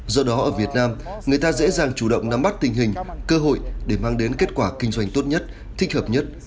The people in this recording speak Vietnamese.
do đó ở việt nam người ta dễ dàng chủ động nắm bắt tình hình cơ hội để mang đến kết quả kinh doanh tốt nhất thích hợp nhất